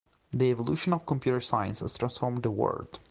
The evolution of computer science has transformed the world.